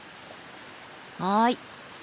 はい。